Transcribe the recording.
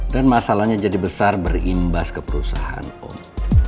dan masalahnya jadi besar berimbas ke perusahaan om